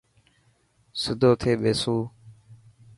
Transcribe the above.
سڌو ٿي سو.